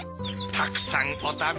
たくさんおたべ。